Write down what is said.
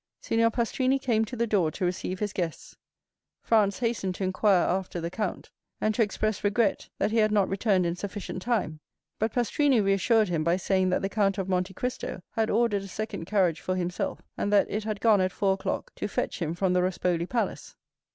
Signor Pastrini came to the door to receive his guests. Franz hastened to inquire after the count, and to express regret that he had not returned in sufficient time; but Pastrini reassured him by saying that the Count of Monte Cristo had ordered a second carriage for himself, and that it had gone at four o'clock to fetch him from the Rospoli Palace.